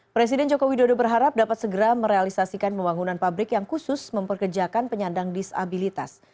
presiden jokowi dodo berharap dapat segera merealisasikan pembangunan pabrik yang khusus memperkejakan penyandang disabilitas